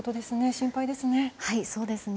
心配ですね。